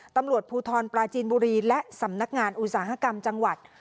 ตำรวจภูทรปลาจีนบุรีและสำนักงานอุตสาหกรรมจังหวัด